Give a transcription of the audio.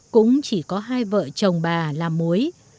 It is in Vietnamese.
cũng chỉ có hai vợ chồng bà làm muối